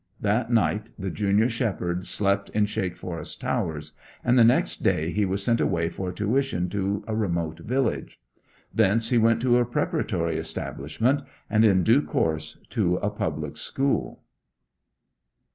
That night the junior shepherd slept in Shakeforest Towers, and the next day he was sent away for tuition to a remote village. Thence he went to a preparatory establishment, and in due course to a public school.